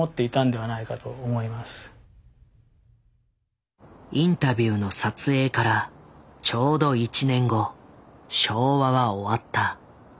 やっぱり父の口からインタビューの撮影からちょうど１年後昭和は終わった。